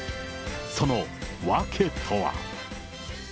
その訳とは。